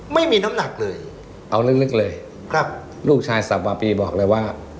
ไม่มีน้ำหนักเลยเอาลึกเลยครับลูกชายสับวาปีบอกเลยว่า